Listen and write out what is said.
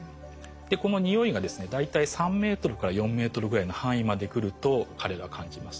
この匂いがですね大体３ｍから４ｍぐらいの範囲まで来ると彼らは感じます。